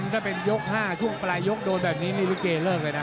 ถ้าเป็นยก๕ช่วงปลายยกโดนแบบนี้นี่ลิเกเลิกเลยนะ